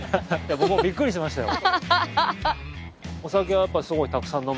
僕もびっくりしましたよ。